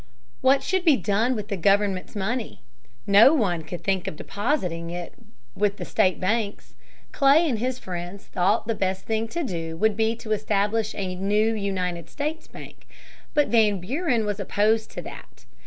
What should be done with the government's money? No one could think of depositing it with the state banks. Clay and his friends thought the best thing to do would be to establish a new United States Bank. But Van Buren was opposed to that.